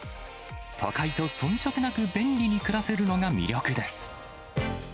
都会と遜色なく便利に暮らせるのが魅力です。